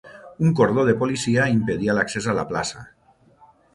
Un cordó de policia impedia l'accés a la plaça.